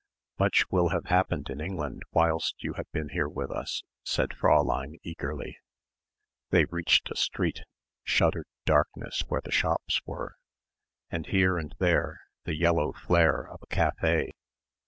"Much will have happened in England whilst you have been here with us," said Fräulein eagerly. They reached a street shuttered darkness where the shops were, and here and there the yellow flare of a café.